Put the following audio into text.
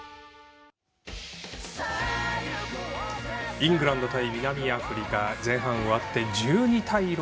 イングランド対南アフリカ前半が終わって１２対６。